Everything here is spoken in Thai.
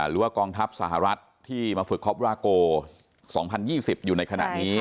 หรือว่ากองทัพสหรัฐที่มาฝึกคอปราโก๒๐๒๐อยู่ในขณะนี้